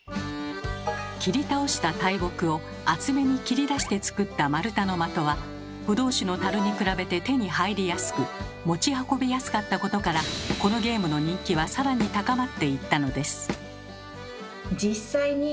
切り倒した大木を厚めに切り出して作った丸太のまとはブドウ酒のタルに比べて手に入りやすく持ち運びやすかったことからこのゲームの人気はさらに高まっていったのです。